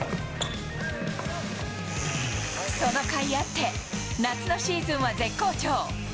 そのかいあって、夏のシーズンは絶好調。